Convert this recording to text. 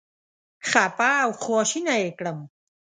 خپه او خواشینی یې کړم.